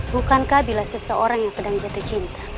bukankah bila seseorang yang sedang jatuh cinta